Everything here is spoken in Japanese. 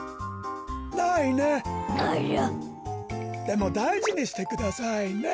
でもだいじにしてくださいね。